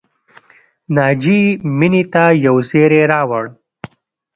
ناجیې مینې ته یو زېری راوړ